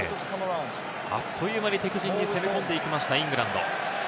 あっという間に敵陣に攻め込んでいきました、イングランド。